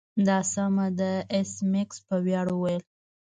دا سمه ده ایس میکس په ویاړ وویل